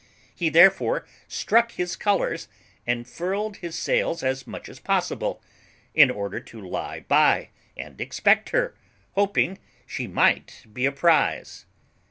He therefore struck his colours, and furled his sails as much as possible, in order to lie by and expect her, hoping she might be a prize."